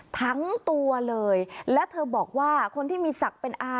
ทั้งตัวเลยและเธอบอกว่าคนที่มีศักดิ์เป็นอา